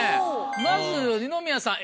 まず二宮さん